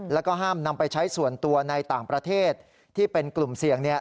แล้วก็ห้ามนำไปใช้ส่วนตัวในต่างประเทศที่เป็นกลุ่มเสี่ยงเนี่ย